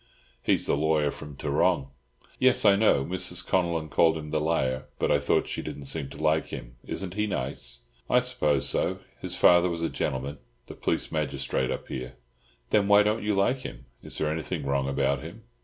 "He's the lawyer from Tarrong." "Yes, I know. Mrs. Connellan called him the 'lier.' But I thought you didn't seem to like him. Isn't he nice?" "I suppose so. His father was a gentleman—the police magistrate up here." "Then, why don't you like him? Is there anything wrong about him?"